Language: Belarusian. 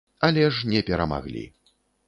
Але ж не перамаглі.